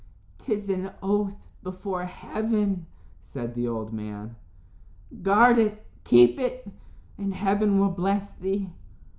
"'Tis an oath before heaven," said the old man. "Guard it, keep it, and heaven will bless thee.